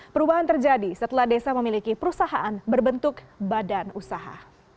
perubahan terjadi setelah desa memiliki perusahaan berbentuk badan usaha